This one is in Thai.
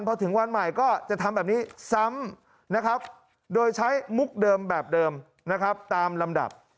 พอถึงวันใหม่ก็จะทำแบบนี้ซ้ำโดยใช้มุกเดิมแบบเดิมตามลำดับ